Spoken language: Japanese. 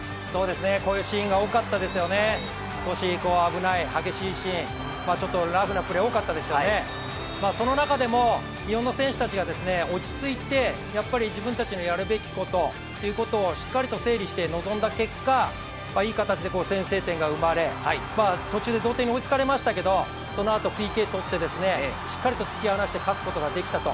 こういうシーンが多かったですよね、少し危ない、激しいシーン、ちょっとラフなプレー、多かったですよね、その中でも日本の選手たちが落ち着いて自分たちのやるべきことを、しっかりと整理して臨んだ結果、いい形で先制点が生まれ、途中で同点に追いつかれましたけどそのあとＰＫ取ってしっかりと突き放して勝つことができたと。